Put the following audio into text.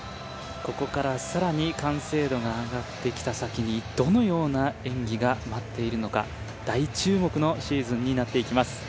ここからさらに完成度が上がってきた先にどのような演技が待っているのか大注目のシーズンになっていきます